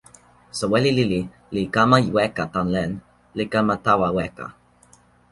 soweli lili li kama weka tan len, li kama tawa weka.